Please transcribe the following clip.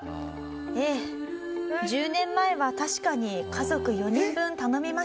ええ１０年前は確かに家族４人分頼みました。